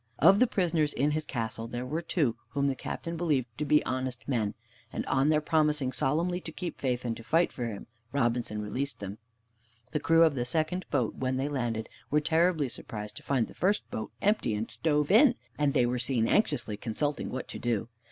Of the prisoners in his castle, there were two whom the Captain believed to be honest men, and on their promising solemnly to keep faith, and to fight for him, Robinson released them. The crew of the second boat, when they landed, were terribly surprised to find the first boat empty and stove in, and they were seen anxiously consulting what to do.